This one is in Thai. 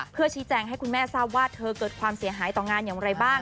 เพื่อชี้แจงให้คุณแม่ทราบว่าเธอเกิดความเสียหายต่องานอย่างไรบ้าง